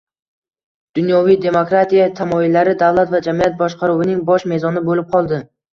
Dunyoviy demokratiya tamoyillari davlat va jamiyat boshqaruvining bosh mezoni boʻlib qoldi.